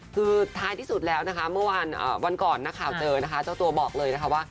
คือท้ายที่สุดแล้วนะคะเมื่อวันก่อนนักข่าวเจอนะคะเจ้าตัวบอกเลยนะคะว่า